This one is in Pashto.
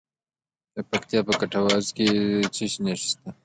د پکتیکا په کټواز کې د څه شي نښې دي؟